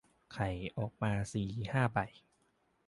ไข่ออกมาสี่ห้าใบ